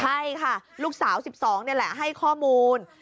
ใช่ค่ะลูกสาว๑๒นี่แหละให้ข้อมูล